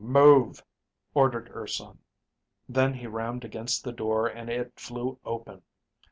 "Move," ordered Urson. Then he rammed against the door and it flew open.